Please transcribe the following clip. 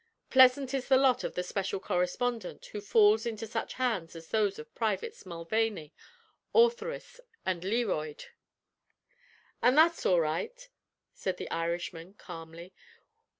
Pleasant is the lot of the special correspondent who falls into such hands as those of Privates Mulvaney, Ortheris, and Learoyd. "An' that's all right," said the Irishman, calmly.